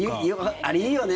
あれ、いいよね。